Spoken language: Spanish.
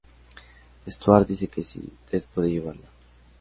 Stuart dice que sí, Ted puede llevarla.